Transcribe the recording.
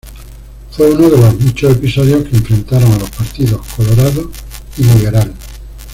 Fue uno de los muchos episodios que enfrentaron a los partidos Colorado y Liberal.